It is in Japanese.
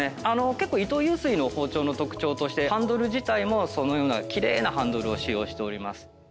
結構伊藤裕翠の包丁の特徴としてハンドル自体もそのような奇麗なハンドルを使用しております。